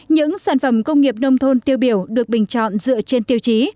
những sản phẩm công nghiệp nông thôn tiêu biểu được bình chọn dựa trên tiêu chí